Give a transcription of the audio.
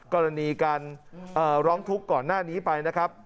กรณีการร้องทุกข์ก่อนหน้านี้ไปนะครับ